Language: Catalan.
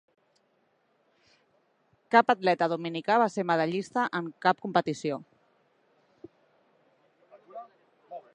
Cap atleta dominica va ser medallista en cap competició.